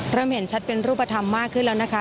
เห็นชัดเป็นรูปธรรมมากขึ้นแล้วนะคะ